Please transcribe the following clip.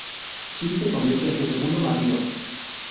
Chi se convierte en su segundo marido.